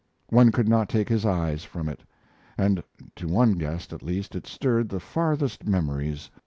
One could not take his eyes from it, and to one guest at least it stirred the farthest memories.